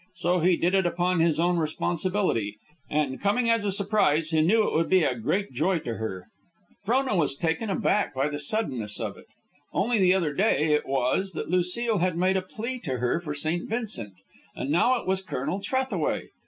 So he did it upon his own responsibility. And coming as a surprise, he knew it would be a great joy to her. Frona was taken aback by the suddenness of it. Only the other day, it was, that Lucile had made a plea to her for St. Vincent, and now it was Colonel Trethaway!